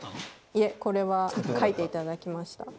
いえこれは描いていただきました。